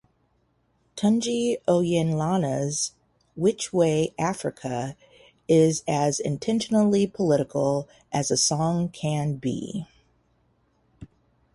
Tunji Oyelana's Which Way Africa is as intentionally political as a song can be.